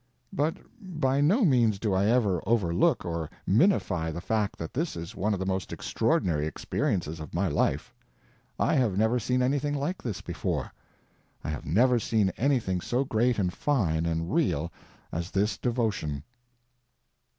But by no means do I ever overlook or minify the fact that this is one of the most extraordinary experiences of my life. I have never seen anything like this before. I have never seen anything so great and fine and real as this devotion.